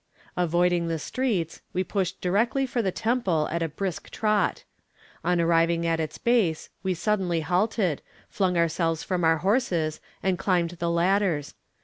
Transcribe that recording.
Avoiding the streets, we pushed directly for the temple at a brisk trot. On arriving at its base we suddenly halted, flung ourselves from our horses, and climbed the ladders.